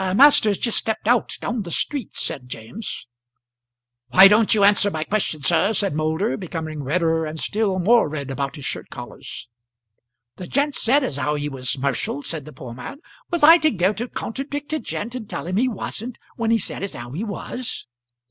"Master's just stepped out, down the street," said James. "Why don't you answer my question, sir?" said Moulder, becoming redder and still more red about his shirt collars. "The gent said as how he was 'mercial," said the poor man. "Was I to go to contradict a gent and tell him he wasn't when he said as how he was?"